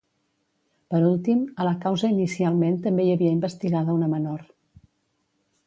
Per últim, a la causa inicialment també hi havia investigada una menor.